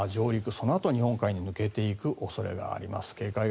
そのあと日本海に抜けていく恐れがあります。